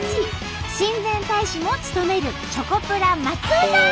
親善大使も務めるチョコプラ松尾さん！